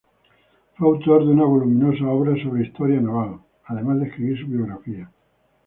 Fue autor de una voluminosa obra sobre historia naval, además de escribir su biografía.